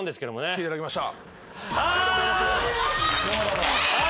来ていただきました。